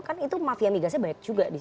kan itu mafia migasnya banyak juga di situ